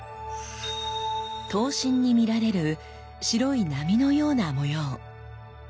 刀身に見られる白い波のような模様これが刃文です。